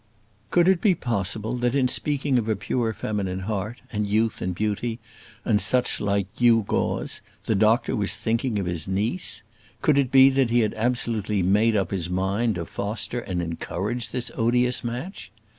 Could it be possible, that in speaking of a pure feminine heart, and youth and beauty, and such like gewgaws, the doctor was thinking of his niece? Could it be that he had absolutely made up his mind to foster and encourage this odious match?